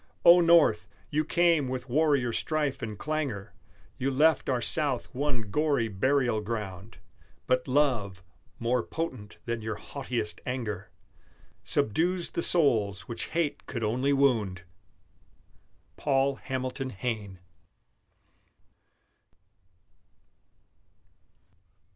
O North! you came with warrior strife and clangor; You left our South one gory burial ground; But love, more potent than your haughtiest anger, Subdues the souls which hate could only wound! PAUL HAMILTON HAYNE.